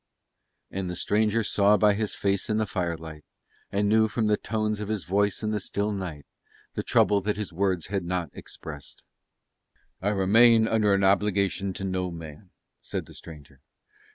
And the stranger saw by his face in the firelight, and knew from the tones of his voice in the still night, the trouble that his words had not expressed. "I remain under an obligation to no man," said the stranger.